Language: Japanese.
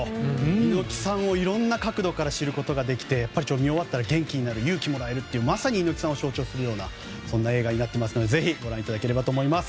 猪木さんをいろんな角度から見ることができて見終わったら元気になって勇気をもらえるというまさに猪木さんを象徴するような映画になっていますがぜひご覧になっていただければと思います。